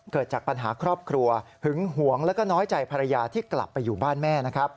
เกิดจากปัญหาครอบครัวหึงหวงแล้วก็น้อยใจภรรยาที่กลับไปอยู่บ้านแม่